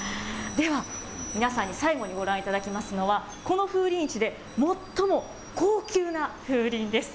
では、皆さんに最後にご覧いただきますのは、この風鈴市で最も高級な風鈴です。